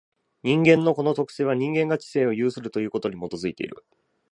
人間のこの特性は、人間が知性を有するということに基いている。